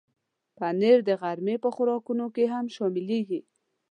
پنېر د غرمې په خوراکونو کې هم شاملېږي.